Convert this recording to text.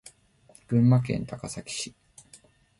群馬県高崎市